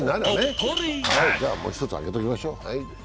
じゃあ、もう１つあげておきましょう。